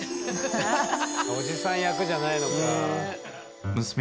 おじさん役じゃないのか。